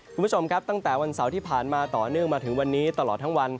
คุณผู้ชมครับตั้งแต่วันเสาร์ที่ผ่านมาต่อเนื่องมาถึงวันนี้ตลอดทั้งวัน